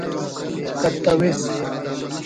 کتوس